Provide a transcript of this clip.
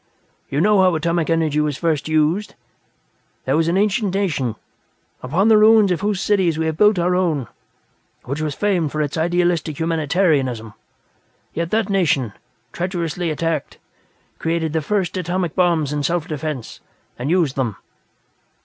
You know how atomic energy was first used? There was an ancient nation, upon the ruins of whose cities we have built our own, which was famed for its idealistic humanitarianism. Yet that nation, treacherously attacked, created the first atomic bombs in self defense, and used them.